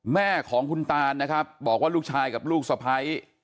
แม่ของคุณตานนะครับบอกว่าลูกชายกับลูกสะพ้าย